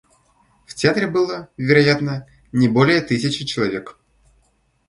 В театре было, вероятно, не более тысячи человек.